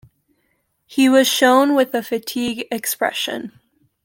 He was shown with a fatigued expression.